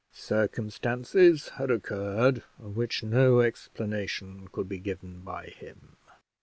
"'Circumstances had occurred of which no explanation could be given by him.'